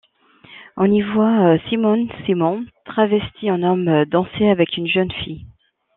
On y voit Simone Simon travestie en homme danser avec une jeune fille.